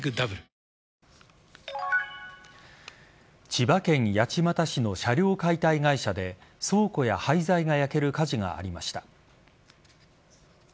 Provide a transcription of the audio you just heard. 千葉県八街市の車両解体会社で倉庫や廃材が焼ける火事がありました。